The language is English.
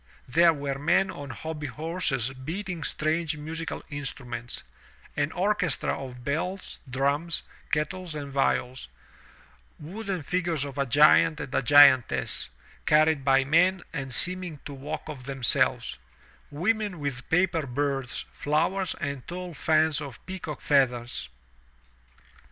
There were men on hobby horses beating strange musical instmments; an orchestra of bells, dmms, kettles and viols; wooden figures of a giant and giantess, carried by men and seeming to walk of themselves; women with paper birds, flowers, and tall fans of peacock feathers.